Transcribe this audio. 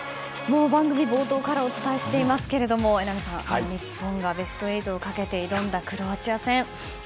番組冒頭からお伝えしていますけれども榎並さん日本がベスト８をかけて挑んだクロアチア戦。